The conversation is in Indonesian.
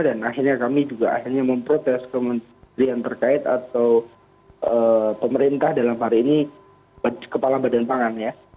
dan akhirnya kami juga akhirnya memprotes kementerian terkait atau pemerintah dalam hari ini kepala badan pangan ya